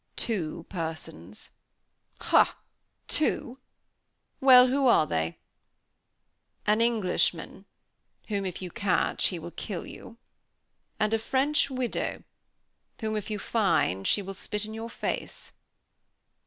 "Two persons." "Ha! Two? Well, who are they?" "An Englishman, whom if you catch, he will kill you; and a French widow, whom if you find, she will spit in your face."